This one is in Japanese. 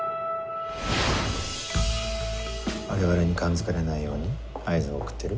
我々に感づかれないように合図を送ってる？